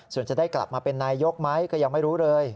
ส่วนจะได้กลับมาเป็นนายกไหมก็ยังไม่รู้เลย